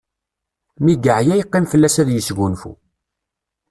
Mi yeɛya yeqqim fell-as ad yesgunfu.